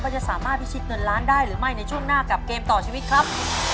จะสามารถพิชิตเงินล้านได้หรือไม่ในช่วงหน้ากับเกมต่อชีวิตครับ